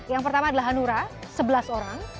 yang pertama adalah hanura sebelas orang